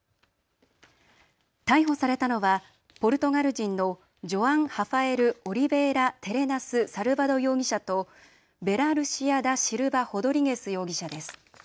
逮捕されたのはポルトガル人のジョアン・ハファエル・オリベイラ・テレナス・サルバド容疑者とヴェラ・ルシア・ダ・シルバ・ホドリゲス容疑者です。